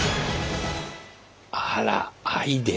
あらアイデア？